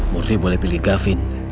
murti boleh pilih gafin